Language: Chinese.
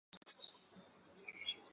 海马克斯和梦魇病毒的出处！